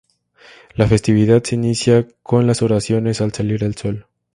La festividad se inicia con las oraciones al salir el Sol.